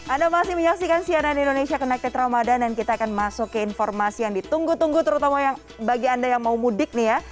anda masih menyaksikan cnn indonesia connected ramadhan dan kita akan masuk ke informasi yang ditunggu tunggu terutama bagi anda yang mau mudik nih ya